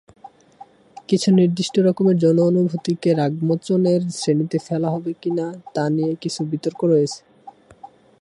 কিছু নির্দিষ্ট রকমের যৌন অনুভূতিকে রাগমোচন এর শ্রেণীতে ফেলা হবে কিনা তা নিয়ে কিছু বিতর্ক রয়েছে।